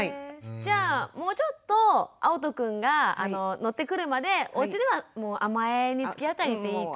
じゃあもうちょっとあおとくんが乗ってくるまでおうちでは甘えにつきあってていいと。